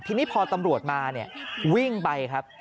ทีนี้พอตำรวจมาเนี่ยวิ่งไปครับ